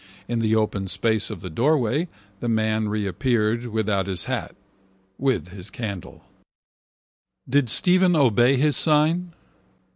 In the open space of the doorway the man reappeared without his hat, with his candle. Did Stephen obey his sign?